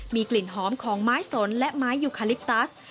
มีกลิ่นหอมของไม้สนและไม้ยูคาลิปตัส